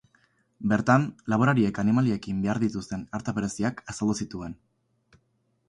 Bertan, laborariek animaliekin behar dituzten arta bereziak azaldu zituen.